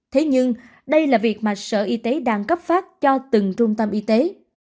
thế nhưng đây là việc mà sở y tế đang cấp phát cho từng trung tâm y tế